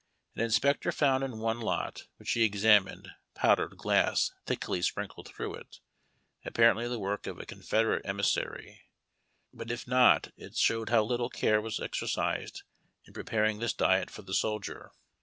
An inspector found in one lot wliich he examined pou'dered glass thickly sprinkled through it, apparently the work of a Confederate emissary ; but if not it showed how little care was exercised in preparing this diet for the soldier.